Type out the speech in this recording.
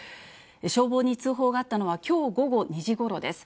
消防に通報があったのは、きょう午後２時ごろです。